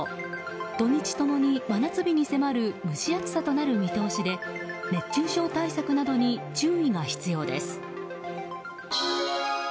土日共に真夏日に迫る蒸し暑さとなる見通しで熱中症対策などに注意が必要です。